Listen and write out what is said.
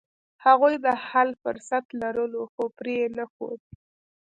هغوی د حل فرصت لرلو، خو پرې یې نښود.